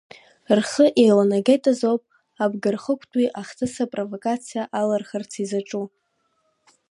Рхы еиланагеит азоуп Абӷархықәтәи ахҭыс апровокациа алырхырц изаҿу.